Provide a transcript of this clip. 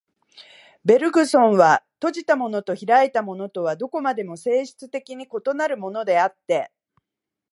ベルグソンは、閉じたものと開いたものとはどこまでも性質的に異なるものであって、